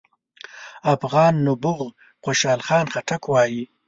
افغان نبوغ خوشحال خان خټک وايي: